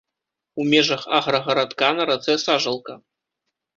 У межах аграгарадка на рацэ сажалка.